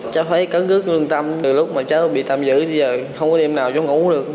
cháu phải cấn cức lương tâm từ lúc mà cháu bị tâm dữ bây giờ không có đêm nào chóng ngủ được